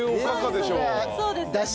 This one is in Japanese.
そうですね。